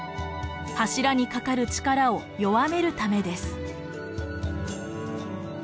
柱にかかる力を弱めるためです。